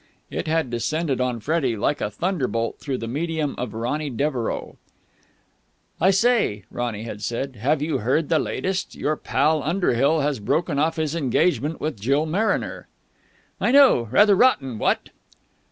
It had descended on Freddie like a thunderbolt through the medium of Ronny Devereux. "I say," Ronny had said, "have you heard the latest? Your pal, Underhill, has broken off his engagement with Jill Mariner." "I know; rather rotten, what!"